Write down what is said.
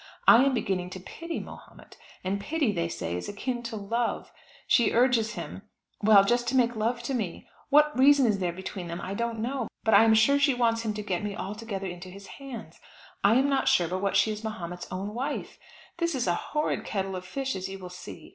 I am beginning to pity Mahomet, and pity, they say, is akin to love. She urges him, well, just to make love to me. What reason there is between them I don't know, but I am sure she wants him to get me altogether into his hands. I'm not sure but what she is Mahomet's own wife. This is a horrid kettle of fish, as you will see.